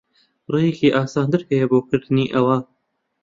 ڕێیەکی ئاسانتر ھەیە بۆ کردنی ئەوە.